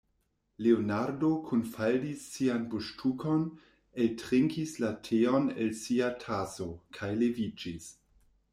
Leonardo kunfaldis sian buŝtukon, eltrinkis la teon el sia taso, kaj leviĝis.